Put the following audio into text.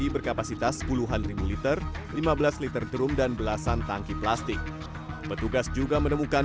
berkapasitas puluhan ribu liter lima belas liter drum dan belasan tangki plastik petugas juga menemukan